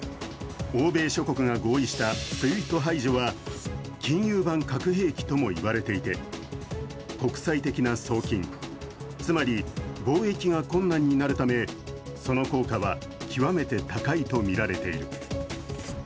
欧米諸国が合意したＳＷＩＦＴ排除は、金融版核兵器とも言われていて、国際的な送金、つまり貿易が困難になるためその効果は極めて高いとみられている。